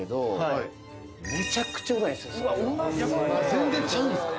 全然ちゃうんですか？